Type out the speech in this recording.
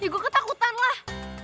ya gue ketakutan lah